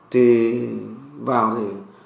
thì vào thì